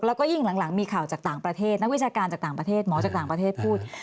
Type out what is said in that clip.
แล้วก็ยิ่งหลังมีข่าวจากต่างประเทศนักวิชาการจากต่างประเทศหมอจากต่างประเทศพูด